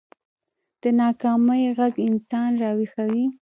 د ناکامۍ غږ انسان راويښوي